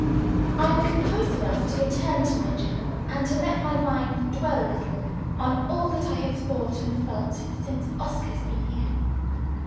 I AM composed enough to return to my Journal, and to let my mind dwell a little on all that I have thought and felt since Oscar has been here.